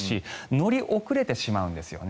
乗り遅れてしまうんですよね。